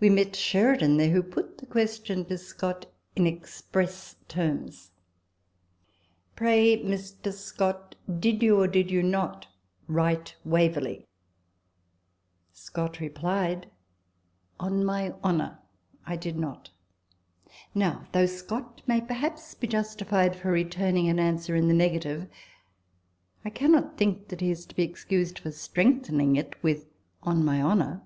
We met Sheridan there, who put the ques tion to Scott in express terms," Pray Mr. Scott, did you, or did you not, write ' Waverley '?" Scott re plied, " On my honour I did not." Now, though Scott may perhaps be justified for returning an answer in the negative, I cannot think that he is to be excused for strengthening it with " on my honour."